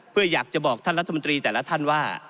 เพื่ออยากจะบอกท่านรัฐมนตรีแต่ละท่านว่า